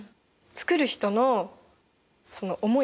作る人のその思い？